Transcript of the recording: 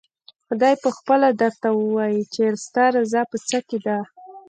خدای پخپله درته ووايي چې ستا رضا په څه کې ده؟